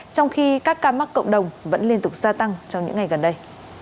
trong khi các ca mắc cộng đồng vẫn liên tục gia tăng trong những ngày gần đây